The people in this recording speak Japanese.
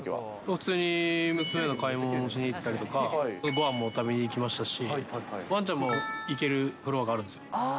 普通に娘の買い物しに行ったりとか、ごはんも食べに行きましたし、わんちゃんも行けるフロアがあるんですよ。